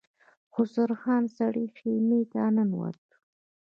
خسرو خان سرې خيمې ته ننوت.